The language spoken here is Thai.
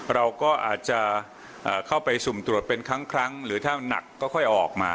เราก็อาจจะเข้าไปสุ่มตรวจเป็นครั้งหรือถ้าหนักก็ค่อยออกมา